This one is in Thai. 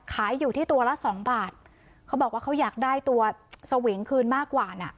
ขายอยู่ที่ตัวละสองบาทเขาบอกว่าเขาอยากได้ตัวสวิงคืนมากกว่าน่ะ